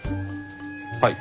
はい。